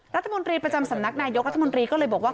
รัฐมนตรีประจำสำนักนายกรัฐมนตรีก็เลยบอกว่า